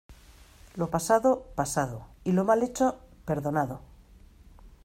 Lo pasado, pasado, y lo mal hecho, perdonado.